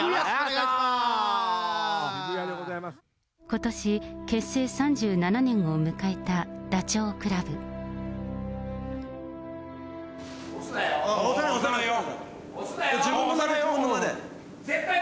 ことし、結成３７年を迎えたダチョウ倶楽部。